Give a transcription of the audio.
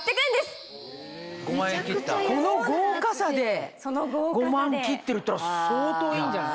この豪華さで５万切ってるったら相当いいんじゃない？